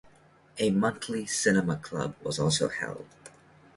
A monthly cinema club was also held.